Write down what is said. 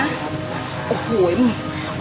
คือพ่อเป็นจับกังอยู่กับรงศรีของเซียนแท้